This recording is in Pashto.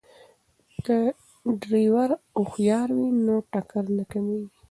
که ډریور هوښیار وي نو ټکر نه کیږي.